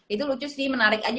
itu lucu sih menarik aja